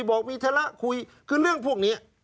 บอกมีธระคุยคือเรื่องพวกนี้